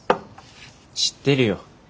知ってるよ。